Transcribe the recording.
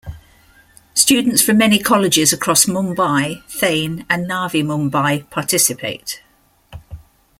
Students from many colleges across Mumbai, Thane, and Navi Mumbai participate.